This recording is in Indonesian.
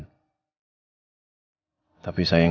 tapi saya gak akan membiarkanmu